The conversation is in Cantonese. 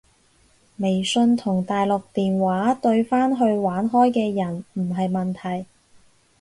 微信同大陸電話對返去玩開嘅人唔係問題